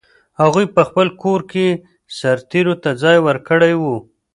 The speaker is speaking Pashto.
هغوی په خپل کور کې سرتېرو ته ځای ورکړی و.